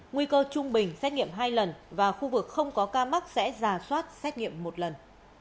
nguy cơ trung bình xét nghiệm hai lần và khu vực không có ca mắc sẽ giả soát xét nghiệm một lần